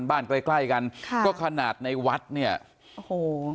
ใกล้ใกล้กันค่ะก็ขนาดในวัดเนี่ยโอ้โห